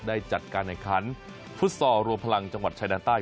ได้จัดการแห่งขันฟุตซอลรวมพลังจังหวัดชายแดนใต้